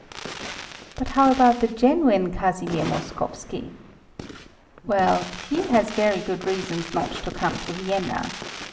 But how about the genuine Casimir Moskowski? Well, he has very good reasons not to come to Vienna.